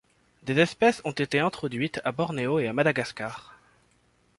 Des espèces ont été introduites à Bornéo et à Madagascar.